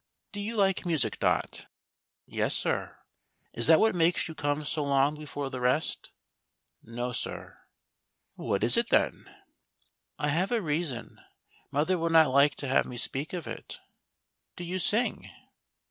" Do you like music, Dot.i^" " Yes, sir." " Is that what makes you come so long before the rest }"" No, sir." " What is it, then }"" I have a reason — mother would not like to have me speak of it." " Do you sing